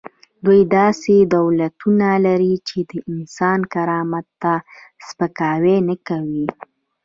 دوی داسې دولتونه لري چې د انسان کرامت ته سپکاوی نه کوي.